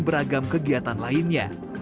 dan beragam kegiatan lainnya